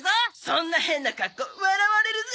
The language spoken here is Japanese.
そんな変な格好笑われるぜ！